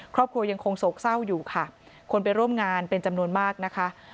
ครอบครัวยังคงโศกเศร้าอยู่ค่ะคนไปร่วมงานเป็นจำนวนมากนะคะ